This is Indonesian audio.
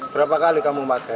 berapa kali kamu pakai